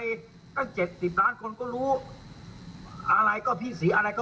ไอ้เรื่องก้าวลงก้าวแล้วมันเป็นมุคของแกนะฮะแต่ไม่มีหรอก